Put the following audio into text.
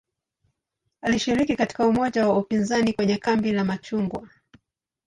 Alishiriki katika umoja wa upinzani kwenye "kambi la machungwa".